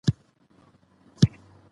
ایمان محدودیتونه له منځه وړي او ورکوي یې